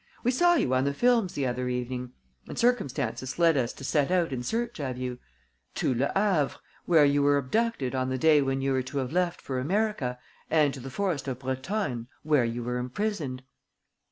We saw you on the films the other evening; and circumstances led us to set out in search of you ... to Le Havre, where you were abducted on the day when you were to have left for America, and to the forest of Brotonne, where you were imprisoned."